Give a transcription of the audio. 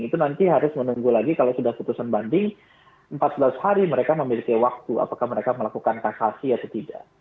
itu nanti harus menunggu lagi kalau sudah putusan banding empat belas hari mereka memiliki waktu apakah mereka melakukan kasasi atau tidak